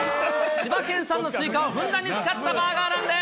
千葉県産のスイカをふんだんに使ったバーガーなんです。